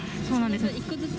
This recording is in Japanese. １個ずつ。